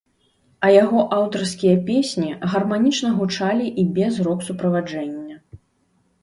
А яго аўтарскія песні гарманічна гучалі і без рок-суправаджэння.